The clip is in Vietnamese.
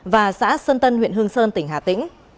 và xã sơn tân huyện hương sơn tỉnh hà tĩnh